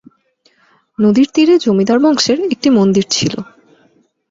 নদীর তীরে জমিদার বংশের একটি মন্দির ছিল।